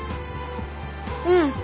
うん。